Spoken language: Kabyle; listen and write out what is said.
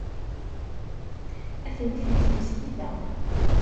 Atenti deg tmesgida.